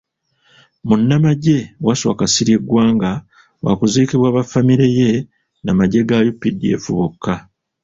Munnamagye, Wasswa Kasirye Gwanga wakuziikwa ba famire ye n'amagye ga UPDF bokka.